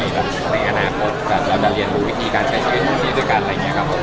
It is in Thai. แบบในอนาคตแบบเราจะเรียนรู้วิธีการใช้ชีวิตด้วยกันอะไรอย่างนี้ครับผม